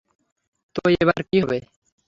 তো, এবার কী হবে?